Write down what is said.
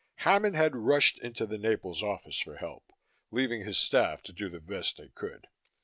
Hammond had rushed into the Naples office for help, leaving his staff to do the best they could.